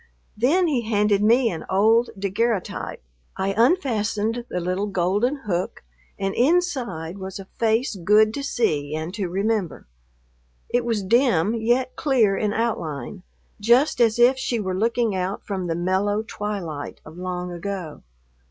Then he handed me an old daguerreotype. I unfastened the little golden hook and inside was a face good to see and to remember. It was dim, yet clear in outline, just as if she were looking out from the mellow twilight of long ago.